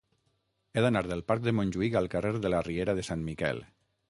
He d'anar del parc de Montjuïc al carrer de la Riera de Sant Miquel.